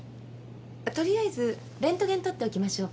あっ取りあえずレントゲン撮っておきましょうか。